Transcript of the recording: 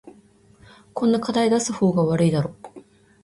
こんな課題出す方が悪いだろ